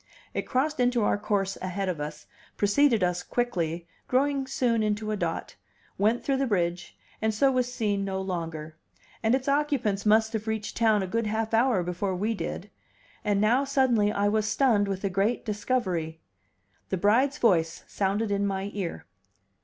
It crossed into our course ahead of us, preceded us quickly, growing soon into a dot, went through the bridge, and so was seen no longer; and its occupants must have reached town a good half hour before we did. And now, suddenly, I was stunned with a great discovery. The bride's voice sounded in my ear.